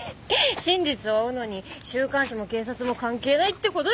真実を追うのに週刊誌も警察も関係ないって事よ。